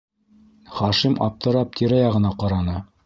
Хашим аптырап тирә- яғына ҡараны: